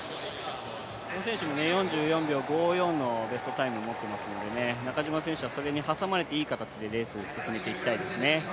この選手も４４秒５４を持っていますので、中島選手はそれに挟まれていいレースの形していきたいですね。